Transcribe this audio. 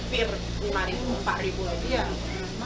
karena salahnya kita juga sih